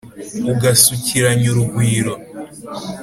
ugasukiranya urugwiro